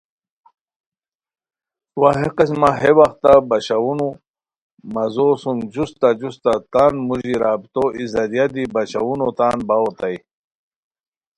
وا ہے قسمہ ہے وختہ باشاؤن و مزو سُم جوستہ جوستہ تان موژی رابطو ای ذریعہ دی باشاؤنو تان باؤ اوتائے